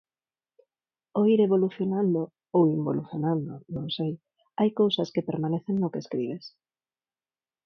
Ao ir evolucionando, ou involucionando, non sei, hai cousas que permanecen no que escribes.